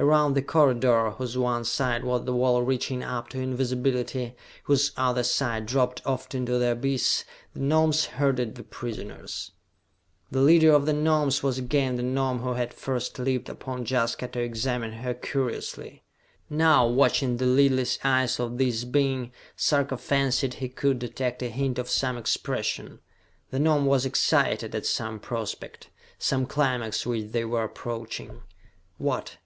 Around the corridor, whose one side was the wall reaching up to invisibility, whose other side dropped off into the abyss, the Gnomes herded the prisoners. The leader of the Gnomes was again the Gnome who had first leaped upon Jaska to examine her curiously. Now, watching the lidless eyes of this being, Sarka fancied he could detect a hint of some expression. The Gnome was excited at some prospect, some climax which they were approaching. What?